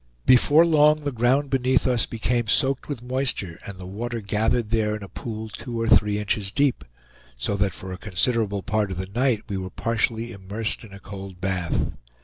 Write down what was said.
Before long the ground beneath us became soaked with moisture, and the water gathered there in a pool two or three inches deep; so that for a considerable part of the night we were partially immersed in a cold bath.